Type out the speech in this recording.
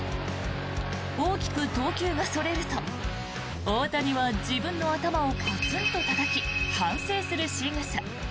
大きく投球がそれると大谷は自分の頭をカツンとたたき反省するしぐさ。